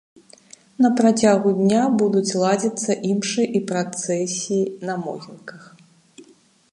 На працягу дня будуць ладзіцца імшы і працэсіі на могілках.